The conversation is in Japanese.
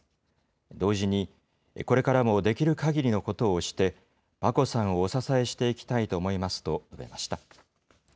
同時に、これからもできるかぎりのことをして、眞子さんをお支えしていきたいと思いますと述べました。